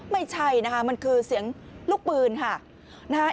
ไม่ใช่นะคะมันคือเสียงลูกปืนค่ะนะฮะ